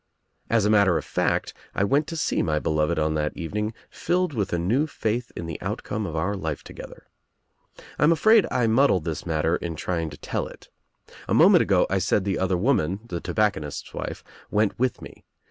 "As a matter of fact I went to see my beloved on that evening filled with a new faith in the outcome of our life together. I am afraid I muddle this matter in trying to tell it. A moment ago I said the other woman, the tobacconist's wife, went with me.